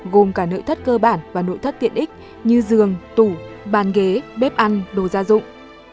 gồm cả nội thất cơ bản và nội thất tiện ích như giường tủ bàn ghế bếp ăn đồ gia dụng